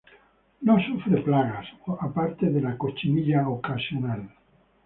No sufre plagas, a parte de la cochinilla ocasional.